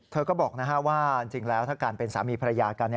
เธอก็บอกว่าจริงแล้วถ้าการเป็นสามีภรรยากัน